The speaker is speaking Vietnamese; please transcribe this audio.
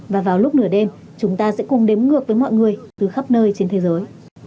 và vào lúc nửa đêm chúng ta sẽ cùng đếm ngược với mọi người từ khắp nơi trên thế giới